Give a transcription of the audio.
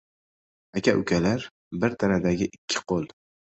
• Aka-ukalar — bir tanadagi ikki qo‘l.